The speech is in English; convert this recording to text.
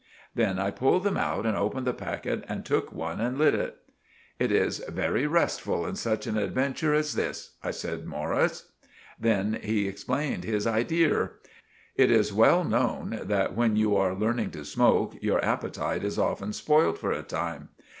Then I pulled them out and opened the packet and took one and lit it. "It is very restful in such an adventure as this," I told Morris. Then he explained his idear. It is well none that when you are learning to smoak, your appetite is often spoilt for a time.